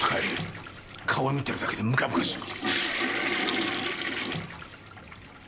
顔を見てるだけでムカムカする。